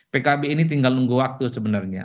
pkb ini tinggal nunggu waktu sebenarnya